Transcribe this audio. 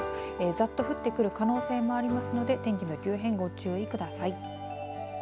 ざっと降ってくる可能性もありますので天気の急変、ご注意ください。